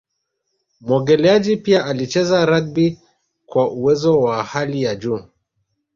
muogeleaji pia alicheza rugby kwa uwezo wa hali ya juu